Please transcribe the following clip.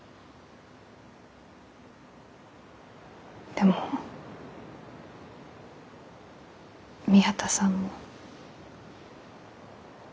でも宮田さんも。